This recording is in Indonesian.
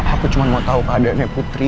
aku cuma mau tahu keadaannya putri